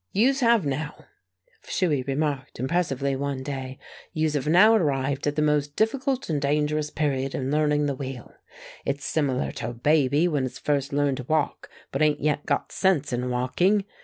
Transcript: "Yous have now," Shuey remarked, impressively, one day "yous have now arrived at the most difficult and dangerous period in learning the wheel. It's similar to a baby when it's first learned to walk but 'ain't yet got sense in walking.